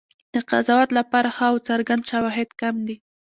د قضاوت لپاره ښه او څرګند شواهد کم دي.